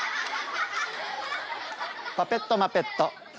パペットマペット。